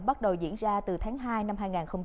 bắt đầu diễn ra từ tháng hai năm hai nghìn hai mươi